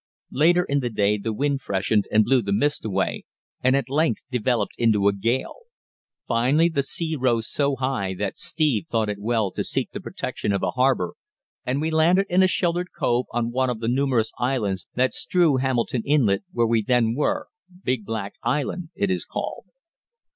Later in the day the wind freshened and blew the mist away, and at length developed into a gale. Finally the sea rose so high that Steve thought it well to seek the protection of a harbour, and we landed in a sheltered cove on one of the numerous islands that strew Hamilton Inlet, where we then were Big Black Island, it is called.